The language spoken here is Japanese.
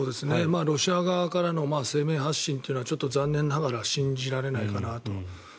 ロシア側からの声明発信というのはちょっと残念ながら信じられないかなと。